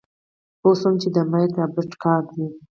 پوه شوم چې د مايک رابرټ کار دی.